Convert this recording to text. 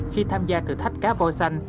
khi tham gia thử thách cá vô xanh